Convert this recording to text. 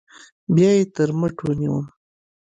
بيا يې تر مټ ونيوم.